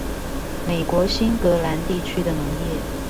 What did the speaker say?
美國新英格蘭地區的農業